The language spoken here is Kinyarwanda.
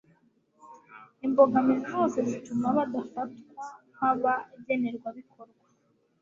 imbogamizi zose zituma badafatwa nk abagenerwabikorwa